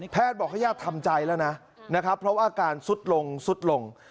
แพทย์บอกให้ญาติทำใจแล้วนะครับเพราะว่าอาการสุดลง